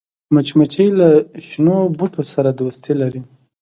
مچمچۍ له شنو بوټو سره دوستي لري